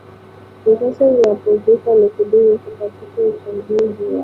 na ghasia zinazohusiana na duru la pili la uchaguzi wa rais